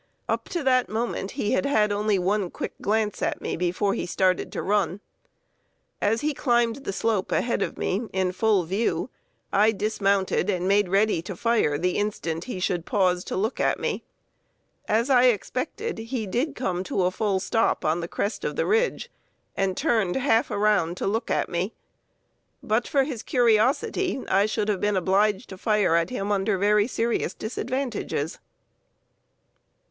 Up to that moment he had had only one quick glance at me before he started to run. As he climbed the slope ahead of me, in full view, I dismounted and made ready to fire the instant he should pause to look at me. As I expected, he did come to a fall stop on the crest of the ridge, and turned half around to look at me. But for his curiosity I should have been obliged to fire at him under very serious disadvantages.